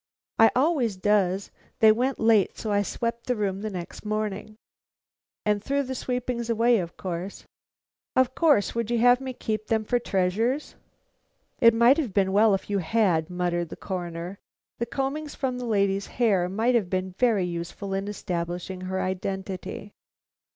"I always does. They went late, so I swept the room the next morning." "And threw the sweepings away, of course?" "Of course; would you have me keep them for treasures?" "It might have been well if you had," muttered the Coroner. "The combings from the lady's hair might have been very useful in establishing her identity."